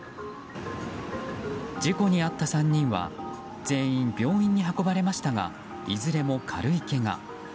事故に遭った３人は全員病院に運ばれましたがいずれも軽いけが。